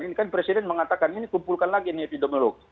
ini kan presiden mengatakan ini kumpulkan lagi nih epidemiolog